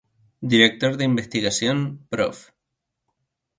Director de investigación: Prof.